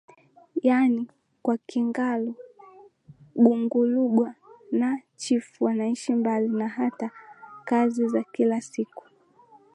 yaani kwa Kingalu Gungulugwa na Chifu wanaishi mbalimbali na hata kazi za kila siku